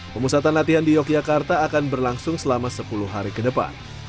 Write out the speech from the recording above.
pemusatan latihan di yogyakarta akan berlangsung selama sepuluh hari ke depan